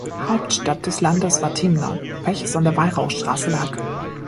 Hauptstadt des Landes war Timna, welches an der Weihrauchstraße lag.